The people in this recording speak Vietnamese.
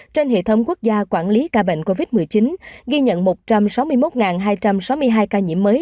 trên hệ thống quốc gia quản lý ca bệnh covid một mươi chín ghi nhận một trăm sáu mươi một hai trăm sáu mươi hai ca nhiễm mới